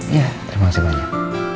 iya terima kasih banyak